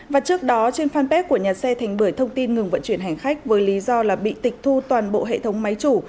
và trước đó trên fanpage của nhà xe thành bưởi thông tin ngừng vận chuyển hành khách với lý do là bị tịch thu toàn bộ hệ thống máy chủ